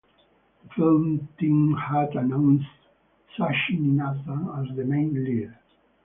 The film team had announced Sathish Ninasam as the main lead.